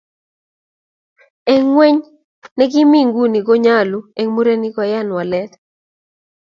eng ng'weny nekimii nguni ko nyoolu eng murenik koyan walet